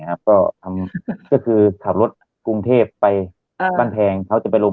ก็ทำก็คือขับรถกรุงเทพไปบ้านแพงเขาจะไปลม